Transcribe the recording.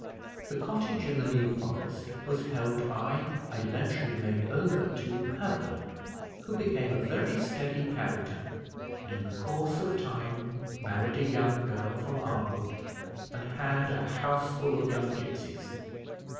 The cottage in the New Forest was held by, and eventually made over to, Pablo, who became a very steady character, and in the course of time married a young girl from Arnwood, and had a houseful of young gipsies.